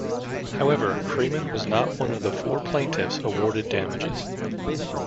However, Freeman was not one of the four plaintiffs awarded damages.